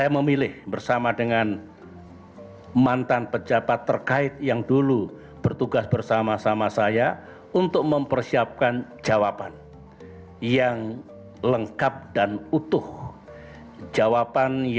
presiden waktu itu bertanggung jawab